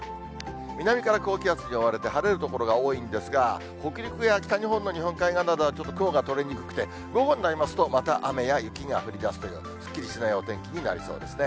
南から高気圧に覆われて晴れる所が多いんですが、北陸や北日本の日本海側などは、ちょっと雲が取れにくくて、午後になりますと、また雨や雪が降りだすというすっきりしないお天気になりそうですね。